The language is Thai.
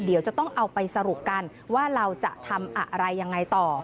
เดี๋ยวจะต้องเอาไปสรุปกันว่าเราจะทำอะไรยังไงต่อ